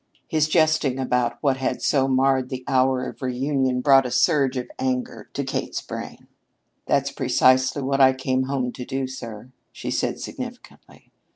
His jesting about what had so marred the hour of reunion brought a surge of anger to Kate's brain. "That's precisely what I came home to do, sir," she said significantly.